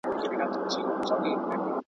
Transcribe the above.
په ټولنه کي د پوهي ډېوه بل کړئ.